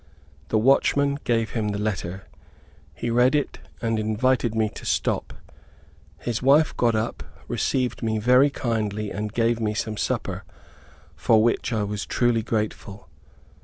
The watchman gave him the letter. He read it, and invited me to stop. His wife got up, received me very kindly, and gave me some supper, for which I was truly grateful.